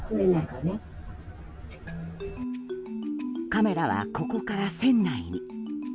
カメラは、ここから船内に。